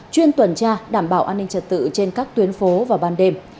chuyên tuần tra đảm bảo an ninh trật tự trên các tuyến phố vào ban đêm